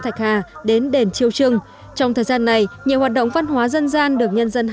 thạch hà đến đền chiêu trưng trong thời gian này nhiều hoạt động văn hóa dân gian được nhân dân